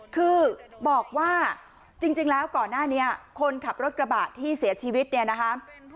คือบอกว่าจริงแล้วก่อนหน้านี้คนขับรถกระบะที่เสียชีวิตเนี่ยนะคะ